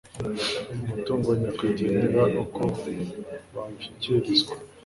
umutungo wa nyakwigendera uko bawushyikirizwa